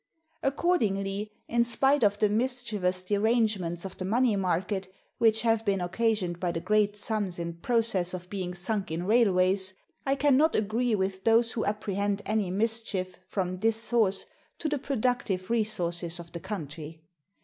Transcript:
Accordingly, in spite of the mischievous derangements of the money market which have been occasioned by the great sums in process of being sunk in railways, I can not agree with those who apprehend any mischief, from this source, to the productive resources of the country.